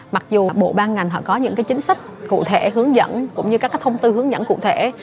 mặc dù bộ ban ngành họ có những chính sách cụ thể hướng dẫn cũng như các thông tư hướng dẫn cụ thể